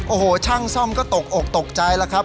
โอ้โหช่างซ่อมก็ตกอกตกใจแล้วครับ